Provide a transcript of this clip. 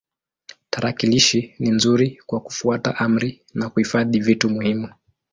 Tarakilishi ni nzuri kwa kufuata amri na kuhifadhi vitu muhimu.